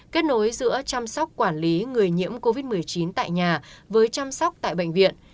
kết nối giữa chăm sóc quản lý người nhiễm covid một mươi chín tại nhà với chăm sóc tại bệnh viện